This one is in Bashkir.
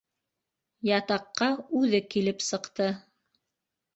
Ятаҡҡа үҙе килеп сыҡты.